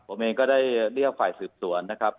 ผมเองก็ได้เรียกฝ่ายสืบสวนนะครับ